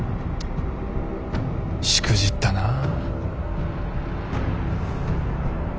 しくじったなあ。